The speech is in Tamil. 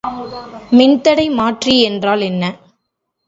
மின்தடை மாற்றி என்றால் என்ன?